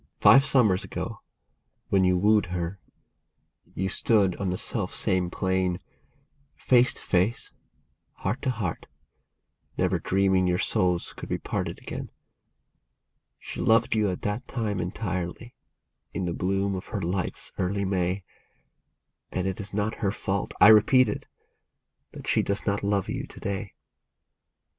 Five summers ago, when you wooed her, you stood on the self same plane, Face to face, heart to heart, never dreaming your souls could be parted again. She loved you at that time entirely, in the bloom of her life's early May, And it is not her fault, I repeat it, that she does not love you to day.